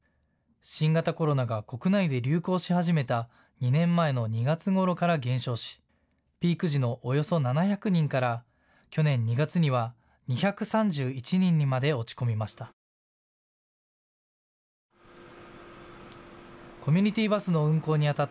新型コロナが国内で流行し始めた２年前の２月ごろから減少しピーク時のおよそ７００人から去年２月には２３１人にまで落ち込みました。